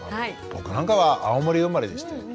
僕なんかは青森生まれでしてへえ！